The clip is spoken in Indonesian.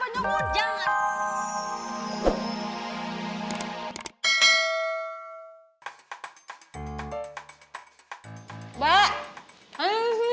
ada apa nyomud jangan